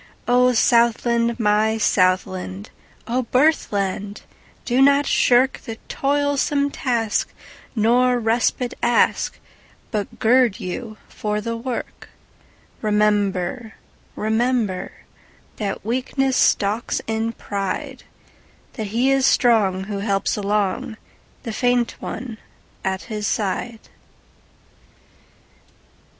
O Southland! my Southland!O birthland! do not shirkThe toilsome task, nor respite ask, But gird you for the work. Remember, rememberThat weakness stalks in pride; That he is strong who helps alongThe faint one at his side.